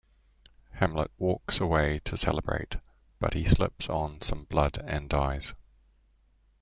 Hamlet walks away to celebrate, but he slips on some blood and dies.